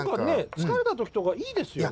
疲れた時とかいいですよね。